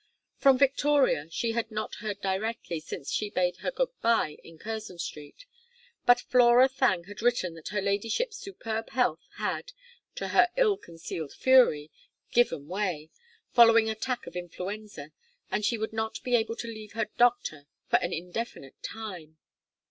From Victoria she had not heard directly since she bade her good bye in Curzon Street, but Flora Thangue had written that her ladyship's superb health had (to her ill concealed fury) given way, following an attack of influenza, and she would not be able to leave her doctor for an indefinite time.